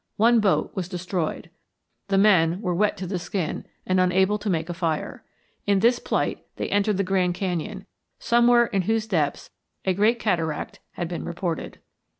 One boat was destroyed. The men were wet to the skin and unable to make a fire. In this plight they entered the Grand Canyon, somewhere in whose depths a great cataract had been reported.